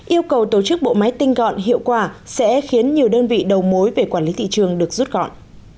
yêu cầu tổ chức bộ máy tinh gọn hiệu quả sẽ khiến nhiều đơn vị đầu mối về quản lý thị trường được rút gọn